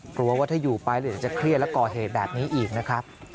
กลัวว่าถ้าอยู่ไปแล้วเดี๋ยวจะเครียดแล้วก่อเหตุแบบนี้อีกนะครับ